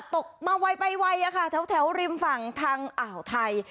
ตกมาไวไปไวแถวริมฝั่งทางอ่าวไทย